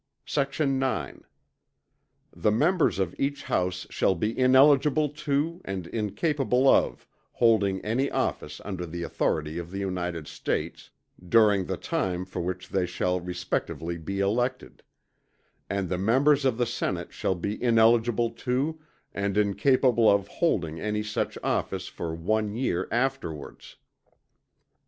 Sect. 9. The members of each House shall be ineligible to, and incapable of holding any office under the authority of the United States, during the time for which they shall respectively be elected: and the members of the Senate shall be ineligible to, and incapable of holding any such office for one year afterwards.